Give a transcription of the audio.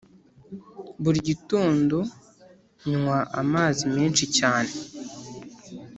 Buri gitondo nywa amazi menshi cyane